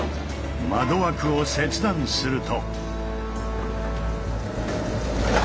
窓枠を切断すると。